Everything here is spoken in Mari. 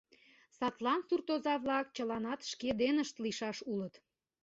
Садлан суртоза-влак чыланат шке денышт лийшаш улыт.